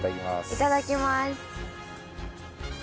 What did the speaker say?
いただきます。